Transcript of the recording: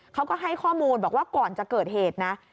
เขาก็ให้ข้อมูลบอกว่าก่อนจะเกิดเหตุนะ